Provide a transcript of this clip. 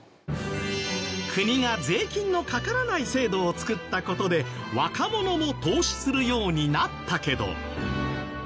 国が税金のかからない制度を作った事で若者も投資するようになったけど。